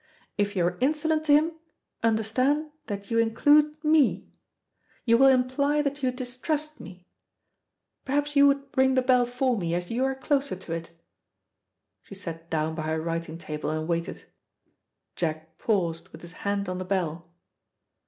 If you are insolent to him, understand that you include me. You will imply that you distrust me. Perhaps you would ring the bell for me, as you are closer to it." She sat down by her writing table and waited. Jack paused with his hand on the bell.